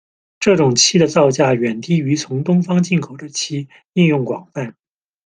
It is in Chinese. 这种漆的造价远低于从东方进口的漆，应用广泛。